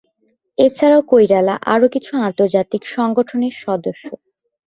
এছাড়াও কৈরালা আরো কিছু আন্তর্জাতিক সংগঠনের সদস্য।